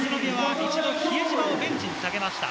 宇都宮は比江島をベンチに下げました。